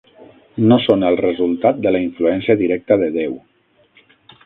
No són el resultat de la influència directa de Déu.